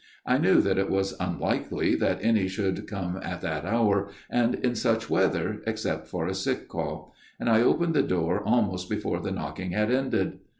I knew that it was unlikely that any should come at that hour, and in such weather, except for a sick call ; and I opened the door almost before the knocking had ended.